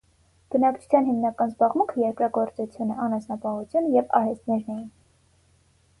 Բնակչության հիմնական զբաղմունքը երկրագործությունը, անասնապահությունը և արհեստներն էին։